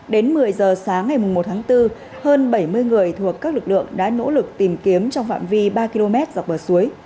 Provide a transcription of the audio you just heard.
đến một mươi giờ sáng ngày một tháng bốn hơn bảy mươi người thuộc các lực lượng đã nỗ lực tìm kiếm trong phạm vi ba km dọc bờ suối